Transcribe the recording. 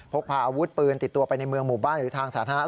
พกพาอาวุธปืนติดตัวไปในเมืองหมู่บ้านหรือทางสาธารณะ